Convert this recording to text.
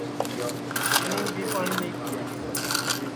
کِنین پاٹؔی بی نائی پیایا